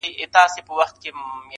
نو ستاسي لیدلوری د انصاف پر بنسټ نه دی